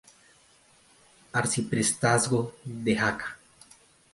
Arciprestazgo de Jaca.